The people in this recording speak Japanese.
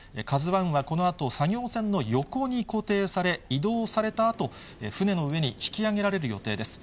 ＫＡＺＵＩはこのあと、作業船の横に固定され、移動されたあと、船の上に引き揚げられる予定です。